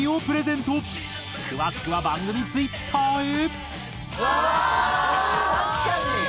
詳しくは番組ツイッターへ。